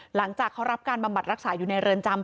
หลังจากเขารับการบำบัดรักษาอยู่ในเรือนจำ